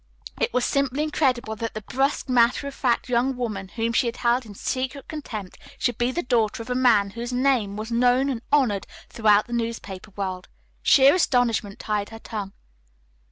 It was simply incredible that this brusque, matter of fact young woman whom she had held in secret contempt should be the daughter of a man whose name was known and honored throughout the newspaper world. Sheer astonishment tied her tongue.